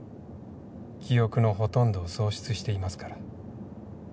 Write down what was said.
記憶のほとんどを喪失していますから。